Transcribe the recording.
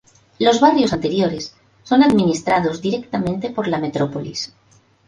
Los barrios anteriores son administradas directamente por la Metrópolis.